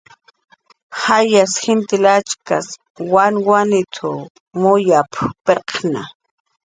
"Jayas jintil achaks wanwaniw muyap"" pirqkna"